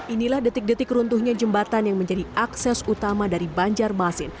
inilah detik detik runtuhnya jembatan yang menjadi akses utama dari banjarmasin